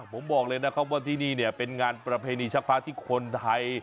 ผมบอกเลยนะครับว่าที่นี่เนี่ยเป็นงานประเพณีชักพระที่คนไทย